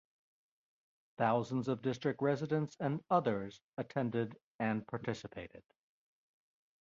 Thousands of district residents and others attended and participated.